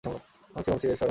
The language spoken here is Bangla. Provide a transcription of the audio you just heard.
মানছি, মানছি এক-শবার মানছি।